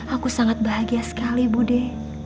aku sangat bahagia sekali bu de